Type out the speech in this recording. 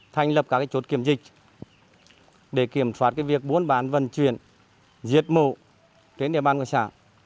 thành lập các chốt kiểm dịch để kiểm soát việc buôn bán vận chuyển diệt mộ trên địa bàn ngôi xã